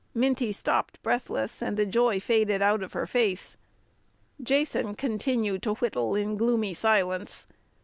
Minty stopped, breathless, and the joy faded out of her face. Jason continued to whittle in gloomy silence.